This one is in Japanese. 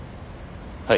はい。